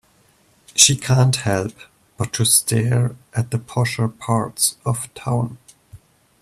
She can't help but to stare at the posher parts of town.